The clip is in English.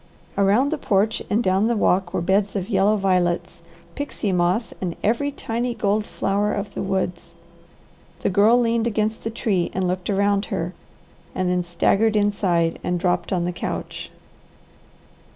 Around the porch and down the walk were beds of yellow violets, pixie moss, and every tiny gold flower of the woods. The Girl leaned against the tree and looked around her and then staggered inside and dropped on the couch.